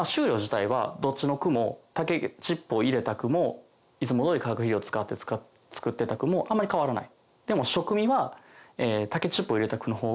どっちの区も竹チップを入れた区もいつも通り化学肥料使って作ってた区もあんまり変わらないでも。